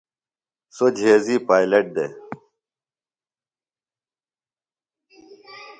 سوۡ جھیزی پائلٹ دے۔